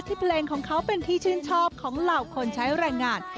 เพลงของเขาเป็นที่ชื่นชอบของเหล่าคนใช้แรงงาน